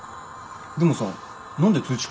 でもさ何で通知